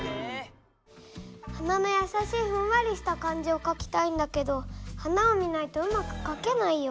花のやさしいふんわりした感じをかきたいんだけど花を見ないとうまくかけないよ。